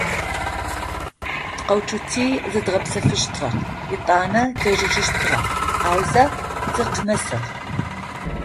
Тыкъэуцути зыдгъэпсэфыщтыгъэ, етӏанэ тежьэжьыщтыгъэ, аузэ тыкъынэсыгъ.